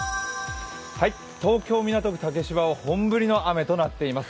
東京・港区竹芝は本降りの雨となっています。